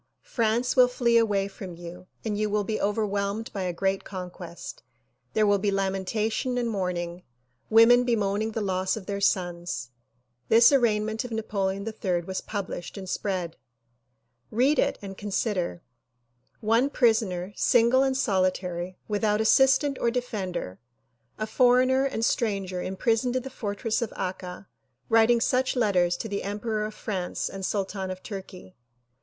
France will flee away from you and you will be overwhelmed by a great conquest. There will be lamentation and mourning, women bemoaning the loss of their sons." This arraignment of Napoleon III was published and spread. Read it and consider : One prisoner, single and solitary, without assistant or defender, a foreigner and stranger imprisoned in the fortress of Akka writing such letters to the emperor of France and sultan of Tui'key.